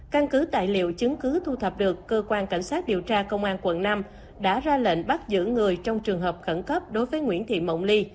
căn cứ tài liệu chứng cứ thu thập được cơ quan cảnh sát điều tra công an quận năm đã ra lệnh bắt giữ người trong trường hợp khẩn cấp đối với nguyễn thị mộng ly